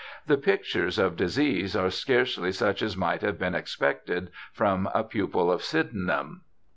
The pictures of disease are scarcely such as might have been expected from a pupil of Sydenham.